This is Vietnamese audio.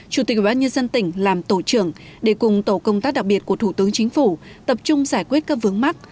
chủ tịch ubnd tỉnh làm tổ trưởng để cùng tổ công tác đặc biệt của thủ tướng chính phủ tập trung giải quyết các vướng mắt